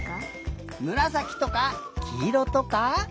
むらさきとかきいろとか。